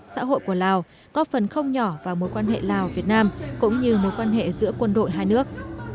xã hội của lào góp phần không nhỏ vào mối quan hệ lào việt nam cũng như mối quan hệ giữa quân đội hai nước